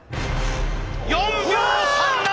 ４秒３７！